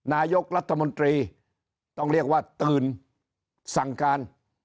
นายกรัฐมนตรีต้องเรียกว่าตื่นสั่งการ